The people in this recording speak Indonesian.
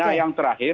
nah yang terakhir